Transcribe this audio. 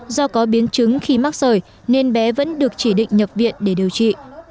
do có biến chứng khi mắc sởi nên bé vẫn được chỉ định nhập viện để điều trị